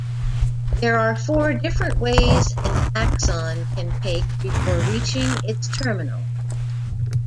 There are four different ways an axon can take before reaching its terminal.